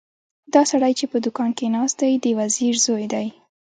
دا سړی چې په دوکان کې ناست دی د وزیر زوی دی.